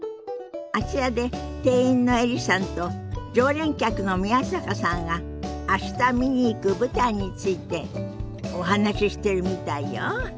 あちらで店員のエリさんと常連客の宮坂さんが明日見に行く舞台についてお話ししてるみたいよ。